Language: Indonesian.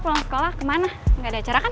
lo pulang sekolah kemana ga ada acara kan